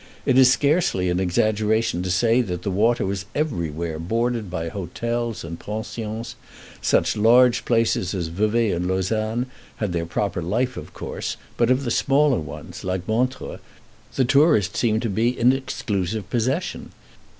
It is scarcely an exaggeration to say that the water was everywhere bordered by hotels and pensions. Such large places as Vevay and Lausanne had their proper life, of course, but of smaller ones, like Montreux, the tourist seemed to be in exclusive possession.